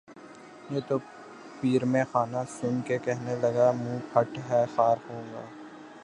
تو پیر مے خانہ سن کے کہنے لگا کہ منہ پھٹ ہے خار ہوگا